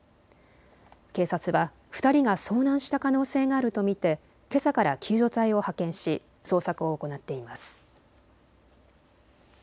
警察は２人が遭難した可能性があると見てけさから救助隊を派遣し捜索を行っています。